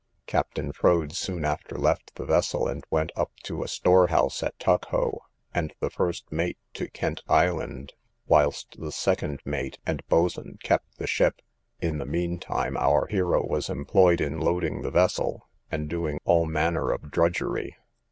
Captain Froade soon after left the vessel, and went up to a storehouse at Tuckhoe, and the first mate to Kent island, whilst the second mate and boatswain kept the ship; in the mean time our hero was employed in loading the vessel, and doing all manner of drudgery.